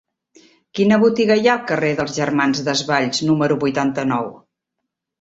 Quina botiga hi ha al carrer dels Germans Desvalls número vuitanta-nou?